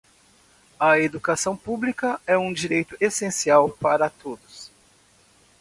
A educação pública é um direito essencial para todos.